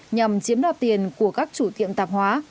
nhằm chiếm đoạt tiền của các chủ tiệm tạp hóa